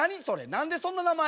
何でそんな名前？